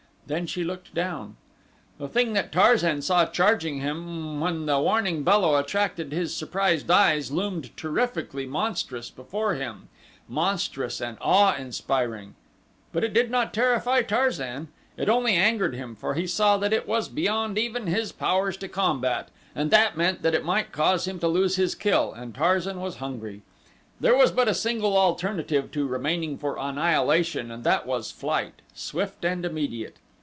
Then she looked down. The thing that Tarzan saw charging him when the warning bellow attracted his surprised eyes loomed terrifically monstrous before him monstrous and awe inspiring; but it did not terrify Tarzan, it only angered him, for he saw that it was beyond even his powers to combat and that meant that it might cause him to lose his kill, and Tarzan was hungry. There was but a single alternative to remaining for annihilation and that was flight swift and immediate.